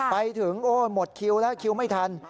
ไปถึงโอ้หมดคิวแล้วคิวไม่ทัน